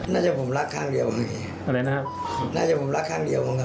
น่าจะผมรักข้างเดียวอะไรนะครับน่าจะผมรักข้างเดียวครับ